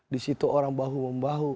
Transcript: di situ orang bahu membahu